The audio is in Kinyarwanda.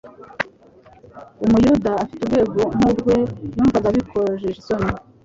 Umuyuda ufite urwego nk'urwe yumvaga bikojeje isoni